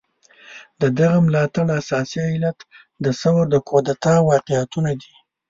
د دغه ملاتړ اساسي علت د ثور د کودتا واقعيتونه دي.